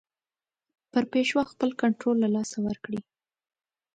پر پېشوا خپل کنټرول له لاسه ورکړي.